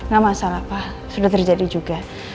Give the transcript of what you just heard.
gak masalah pak sudah terjadi juga